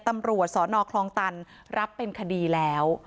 ตำรวจสนคลองตันรับเป็นคดีแล้ว